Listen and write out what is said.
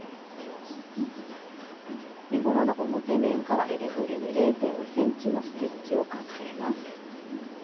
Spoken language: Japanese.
身ごろの表面からえりぐりに０．２ｃｍのステッチをかけます。